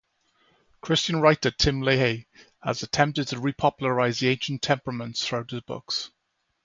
Christian writer Tim LaHaye has attempted to repopularize the ancient temperaments through his books.